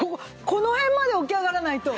この辺まで起き上がらないと。